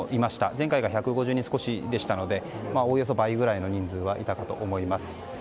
前回が１５０人少しでしたのでおよそ倍ぐらいの人数がいたかと思います。